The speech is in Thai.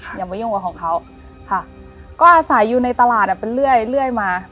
อย่ามายุ่งกับของเขาค่ะก็อาศัยอยู่ในตลาดอ่ะเป็นเรื่อยเรื่อยมา